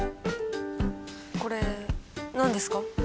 これ何ですか？